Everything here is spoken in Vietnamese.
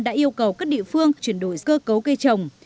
đã yêu cầu các địa phương chuyển đổi cơ cấu cây trồng